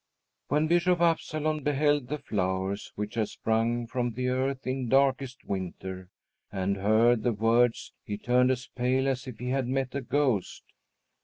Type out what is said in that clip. When Bishop Absalon beheld the flowers, which had sprung from the earth in darkest winter, and heard the words, he turned as pale as if he had met a ghost.